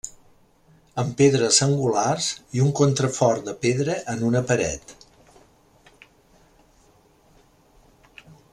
Amb pedres angulars i un contrafort de pedra en una paret.